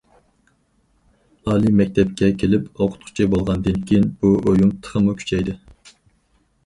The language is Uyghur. ئالىي مەكتەپكە كېلىپ ئوقۇتقۇچى بولغاندىن كېيىن، بۇ ئويۇم تېخىمۇ كۈچەيدى.